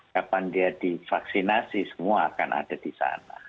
kapan dia divaksinasi semua akan ada di sana